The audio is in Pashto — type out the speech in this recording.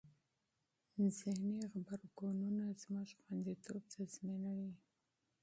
ذهني غبرګونونه زموږ خوندیتوب تضمینوي.